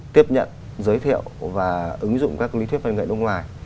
tiếp nhận giới thiệu và ứng dụng các lý thuyết văn nghệ nước ngoài